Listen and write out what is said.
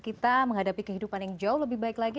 kita menghadapi kehidupan yang jauh lebih baik lagi